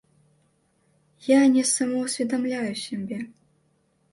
Я не самаўсведамляю сябе.